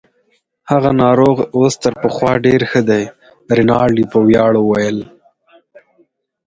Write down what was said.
هغه ناروغ اوس تر پخوا ډیر ښه دی. رینالډي په ویاړ وویل.